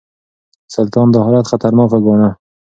سلطان دا حالت خطرناک ګاڼه.